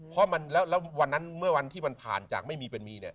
เพราะวันนั้นเมื่อวันที่มันผ่านจากไม่มีเป็นมี